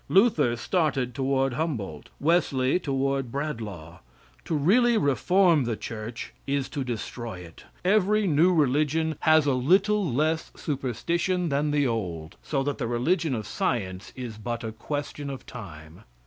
Luther started toward Humboldt, Wesley toward Bradlaugh. To really reform the church is to destroy it. Every new religion has a little less superstition than the old, so that the religion of science is but a question of time.